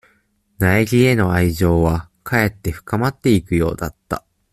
苗木への愛情は、かえって深まっていくようだった。